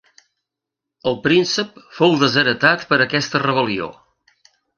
El príncep fou desheretat per aquesta rebel·lió.